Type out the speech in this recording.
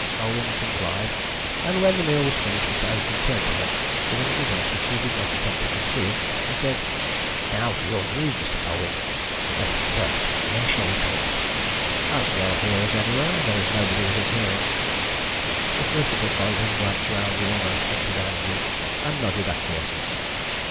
Colwyn complied, and when the meal was finished, Mr. Oakham turned to him with an eagerness which he did not attempt to conceal, and said: "Now for your news, Mr. Colwyn. But, first, where shall we talk?" "As well here as anywhere. There is nobody within hearing." The solicitor followed his glance round the almost empty dining room, and nodded acquiescence.